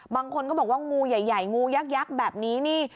บางคนก็บอกว่างูใหญ่งูยักษ์แบบนี้นี่